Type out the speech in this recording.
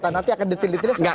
nanti akan detail detail